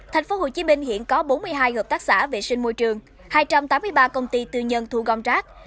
thành phố hồ chí minh hiện có bốn mươi hai hợp tác xã vệ sinh môi trường hai trăm tám mươi ba công ty tư nhân thu gom rác